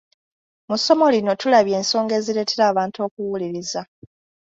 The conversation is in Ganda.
Mu ssomo lino tulabye ensonga ezireetera abantu okuwuliriza.